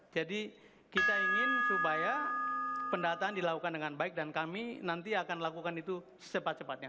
jadi kita ingin supaya pendataan dilakukan dengan baik dan kami nanti akan lakukan itu secepat cepatnya